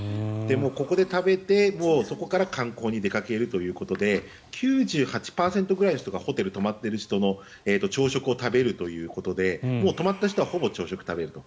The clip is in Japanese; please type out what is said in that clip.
ここで食べてそこから観光に出かけるということで９８％ぐらいの人がホテルに泊まっている人朝食を食べるということで泊まった人はほぼ朝食を食べると。